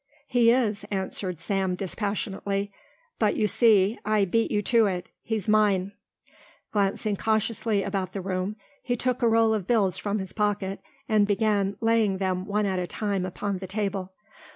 "He is," answered Sam dispassionately, "but you see I beat you to it. He's mine." Glancing cautiously about the room, he took a roll of bills from his pocket and began laying them one at a time upon the table.